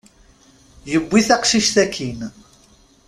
Yewwi taqcict akkin.